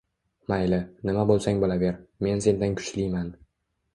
– Mayli, nima bo‘lsang bo‘laver, men sendan kuchliman!